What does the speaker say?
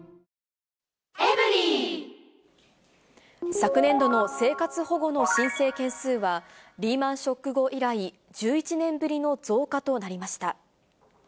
昨年度の生活保護の申請件数は、リーマンショック後以来、１１年ぶりの増加となりました。